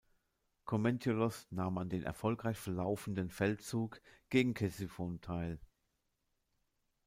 Komentiolos nahm an dem erfolgreich verlaufenden Feldzug gegen Ktesiphon teil.